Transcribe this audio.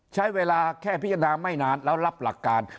ใช้เวลาแค่พิจารณาไม่นานแล้วรับหลักการ